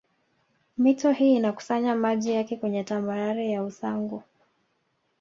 Mito hii inakusanya maji yake kwenye tambarare ya Usangu